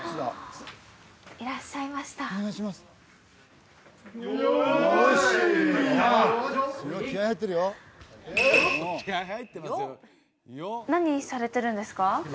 いらっしゃいました何されてるんですか？